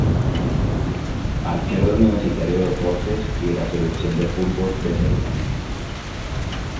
Arquero de Universitario de Deportes y de la Selección de fútbol del Perú.